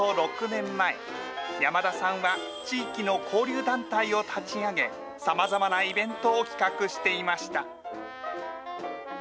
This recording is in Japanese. ６年前、山田さんは地域の交流団体を立ち上げ、さまざまなイベントを企画していました。